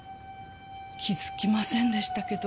気づきませんでしたけど。